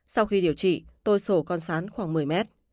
sau khi điều trị tôi sổ con sán khoảng một mươi mét